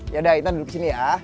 yaudah intan duduk di sini ya